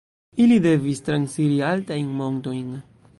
Ili devis transiri altajn montojn.